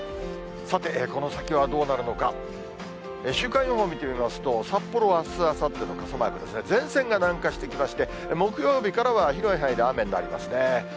さて、この先はどうなるのか、週間予報見てみますと、札幌はあす、あさって傘マークですね、前線が南下してきまして、木曜日からは広い範囲で雨になりますね。